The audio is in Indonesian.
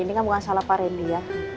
ini kan bukan salah pak randy ya